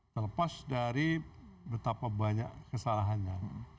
terlepas dari betapa banyak kesalahannya